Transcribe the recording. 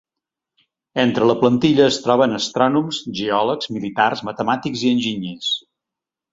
Entre la plantilla es troben astrònoms, geòlegs, militars, matemàtics i enginyers.